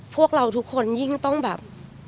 พวกเราทุกคนยิ่งต้องแบบ